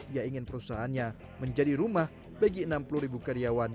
ia ingin perusahaannya menjadi rumah bagi enam puluh ribu karyawan